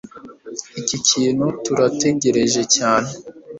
iki kintu turategereje cyane